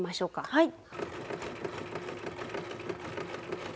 はい。